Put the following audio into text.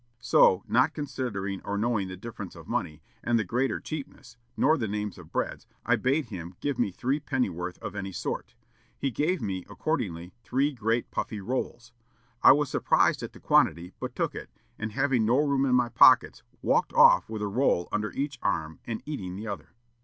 So, not considering or knowing the difference of money, and the greater cheapness, nor the names of bread, I bade him give me threepenny worth of any sort. He gave me, accordingly, three great puffy rolls. I was surprised at the quantity, but took it, and, having no room in my pockets, walked off with a roll under each arm, and eating the other.